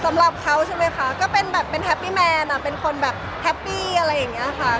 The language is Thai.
สำหรับเขาใช่ไหมคะก็เป็นแบบเป็นแฮปปี้แมนเป็นคนแบบแฮปปี้อะไรอย่างนี้ค่ะ